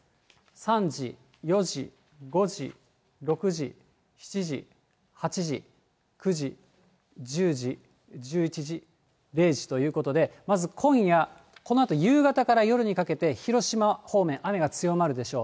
３時、４時、５時、６時、７時、８時、９時、１０時、１１時、０時ということで、まず今夜、このあと夕方から夜にかけて広島方面、雨が強まるでしょう。